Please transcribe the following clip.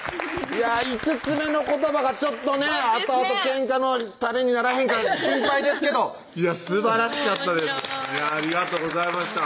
５つ目の言葉がちょっとねあとあとけんかの種にならへんか心配ですけどすばらしかったですありがとうございました